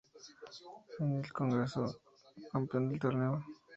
Banfield se consagró campeón del torneo.